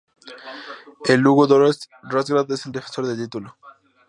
El Ludogorets Razgrad es el defensor del título.